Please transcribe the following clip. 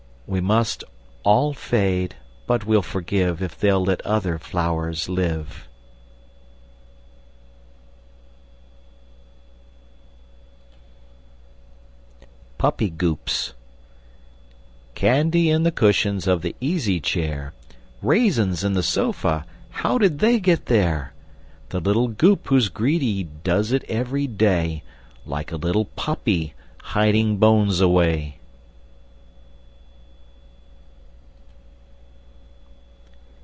We all must fade, but we'll forgive If they'll let other flowers live_!" [Illustration: Puppy Goops] PUPPY GOOPS Candy in the cushions Of the easy chair; Raisins in the sofa How did they get there? The little Goop who's greedy Does it every day, Like a little puppy, Hiding bones away!